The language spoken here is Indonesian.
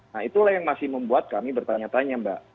nah itulah yang masih membuat kami bertanya tanya mbak